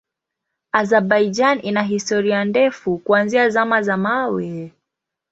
Azerbaijan ina historia ndefu kuanzia Zama za Mawe.